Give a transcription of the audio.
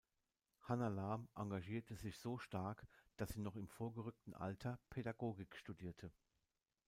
Hanna Lam engagierte sich so stark, dass sie noch im vorgerückten Alter Pädagogik studierte.